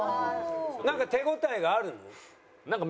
なんか手応えがあるの？